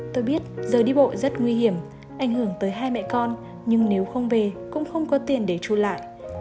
tôi biết giờ đi bộ rất nguy hiểm ảnh hưởng tới hai mẹ con nhưng nếu không về cũng không có tiền để chu lại